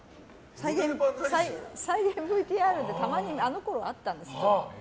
再現ＶＴＲでたまにあのころあったんですよ。